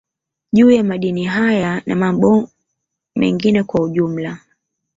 Juu ya Madini haya na mabo mengine kwa ujumla